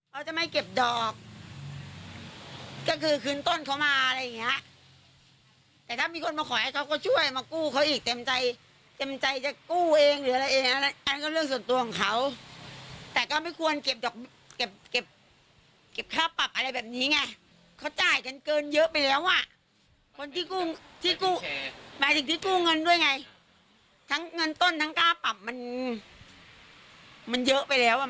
เขาจะไม่เก็บดอกก็คือคืนต้นเขามาอะไรอย่างเงี้ยแต่ถ้ามีคนมาขอให้เขาก็ช่วยมากู้เขาอีกเต็มใจเต็มใจจะกู้เองหรืออะไรเองอันก็เรื่องส่วนตัวของเขาแต่ก็ไม่ควรเก็บดอกเก็บเก็บค่าปรับอะไรแบบนี้ไงเขาจ่ายกันเกินเยอะไปแล้วอ่ะคนที่กู้ที่กู้หมายถึงที่กู้เงินด้วยไงทั้งเงินต้นทั้งค่าปรับมันมันเยอะไปแล้วอ่ะ